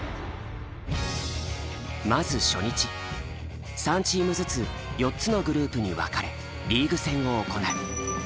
まず初日３チームずつ４つのグループに分かれリーグ戦を行う。